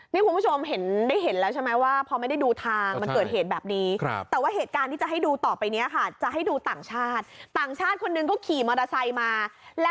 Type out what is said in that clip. นี่คุณผู้ชมได้เห็นแล้วใช่ไหมว่า